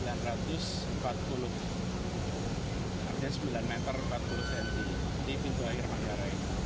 artinya sembilan empat puluh m di pintu air manggarai